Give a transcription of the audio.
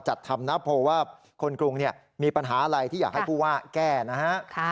จัดทำนะโพลว่าคนกรุงมีปัญหาอะไรที่อยากให้ผู้ว่าแก้นะฮะ